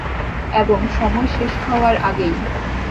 এবং সময় শেষ হওয়ার আগেই।